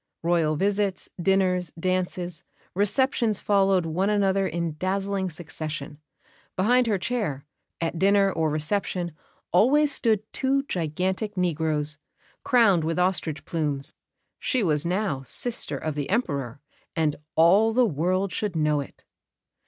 Royal visits, dinners, dances, receptions followed one another in dazzling succession; behind her chair, at dinner or reception, always stood two gigantic negroes, crowned with ostrich plumes. She was now "sister of the Emperor," and all the world should know it!